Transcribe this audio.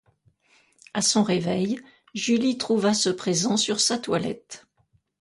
À son réveil, Julie trouva ce présent sur sa toilette.